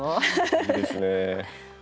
いいですね。